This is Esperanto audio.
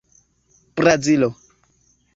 Brazilo